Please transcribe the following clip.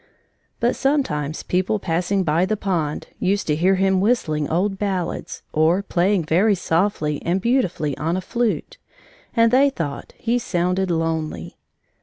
But sometimes people passing by the pond used to hear him whistling old ballads, or playing very softly and beautifully on a flute, and they thought he sounded lonely.